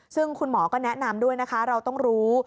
ซึ่งคุณหมอก็แนะนำด้วยนะคะเราต้องรู้